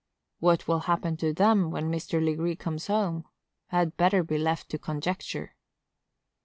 What will happen to them, when Mr. Legree comes home, had better be left to conjecture.